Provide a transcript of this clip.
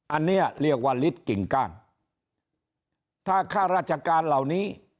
อันนี้เรียกว่าฤทธิกิ่งก้านถ้าข้าราชการเหล่านี้